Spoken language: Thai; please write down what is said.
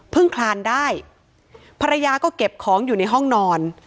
คลานได้ภรรยาก็เก็บของอยู่ในห้องนอน